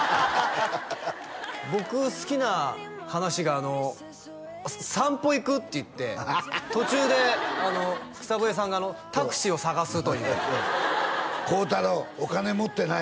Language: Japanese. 僕好きな話が「散歩行く」って言って途中で草笛さんがタクシーを探すという「幸太郎お金持ってない？」